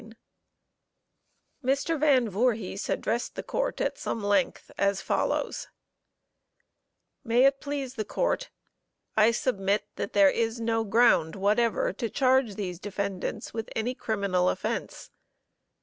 _Mr. Van Voorhis addressed the Court at some length, as follows: May it please the Court, I submit that there is no ground whatever to charge these defendants with any criminal offense.